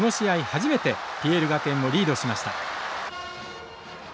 初めてＰＬ学園をリードしました。